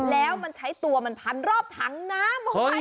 แล้วมันใช้ตัวมันพันรอบถังน้ำออกไป